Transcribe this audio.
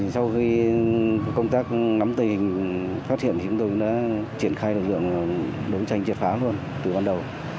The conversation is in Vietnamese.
sau khi công tác ngắm tình phát hiện chúng tôi đã triển khai lực lượng đống tranh triệt phá luôn từ ban đầu